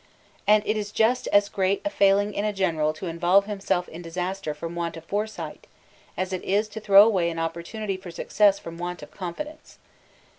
And it is just as great a failing in a general to involve himself in disaster from want of foresight, as it is to throw <way an opportunity for success from want of confidence.